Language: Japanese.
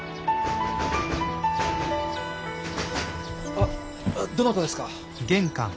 あどなたですか？